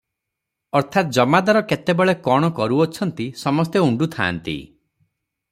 ଅର୍ଥାତ୍ ଜମାଦାର କେତେବେଳେ କଣ କରୁ ଅଛନ୍ତି ସମସ୍ତେ ଉଣ୍ଡୁ ଥାଆନ୍ତି